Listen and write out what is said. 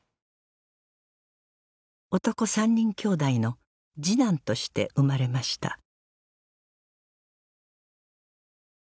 男３人兄弟の次男として生まれました